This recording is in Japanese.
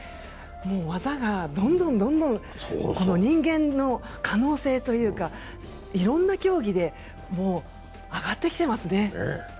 技がどんどん、どんどん人間の可能性というかいろんな競技で上ってきていますね。